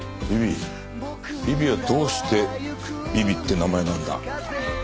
ビビビビはどうして「ビビ」って名前なんだ？